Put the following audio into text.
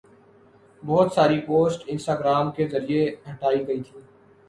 بہت ساری post Instagram کے ذریعہ ہٹائی گئی تھی